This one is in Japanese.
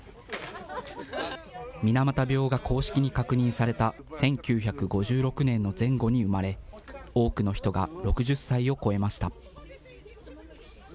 水俣病が公式に確認された１９５６年の前後に生まれ、多くの人が６０歳を超えました。